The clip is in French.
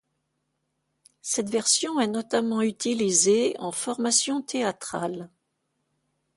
Cette version est notamment utilisée en formation théâtrale.